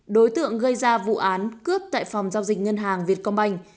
đối tượng gây ra vụ án cướp tại phòng giao dịch ngân hàng việt công banh